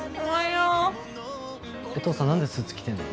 えっ父さん何でスーツ着てんの？